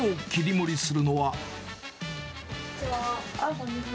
こんにちは。